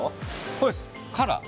これです、カラー。